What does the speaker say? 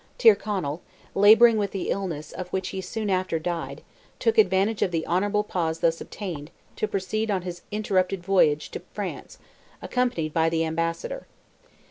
Tyrconnell, labouring with the illness of which he soon after died, took advantage of the honourable pause thus obtained, to proceed on his interrupted voyage to France, accompanied by the ambassador.